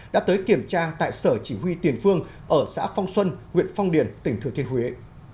đã tới kiểm tra tại sở chỉ huy tiền phương ở xã phong xuân huyện phong điền tỉnh thừa thiên huế